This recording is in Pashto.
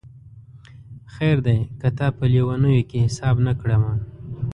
خیر دی که تا په لېونیو کي حساب نه کړمه